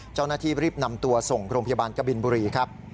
เจ้าหน้าที่รีบนำตัวส่งโรงพยาบาลกบินบุรีครับ